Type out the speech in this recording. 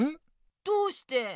どうして？